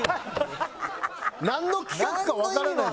なんの企画かわからない。